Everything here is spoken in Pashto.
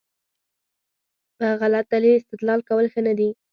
په غلط دلیل استدلال کول ښه نه دي.